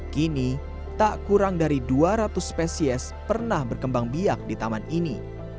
kini tak kurang dari dua ratus spesies pernah berkembang biak di taman ini